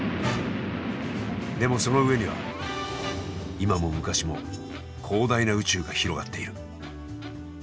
でもその上には今も昔も広大な宇宙が広がっている。